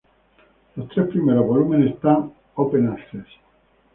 Los tres primeros volúmenes están "open access".